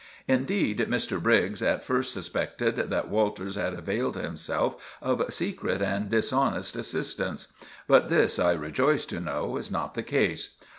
Indeed, Mr. Briggs at first suspected that Walters had availed himself of secret and dishonest assistance; but this, I rejoice to know, is not the case.